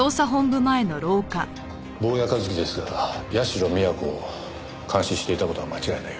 坊谷一樹ですが社美彌子を監視していた事は間違いないようです。